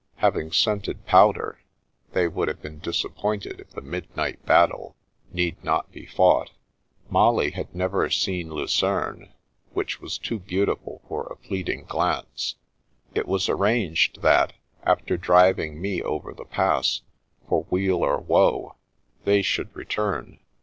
Having scented powder, they would have been disappointed if the midnight battle need not be fought. Molly had never seen Lucerne, which was too beautiful for a fleeting glance. It was arranged that, after driving me over the Pass, for weal or woe, they should return.